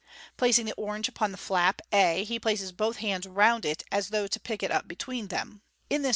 Placing the orange upon the flap a, he places both hands round it as though to pick In this position the under the Fig.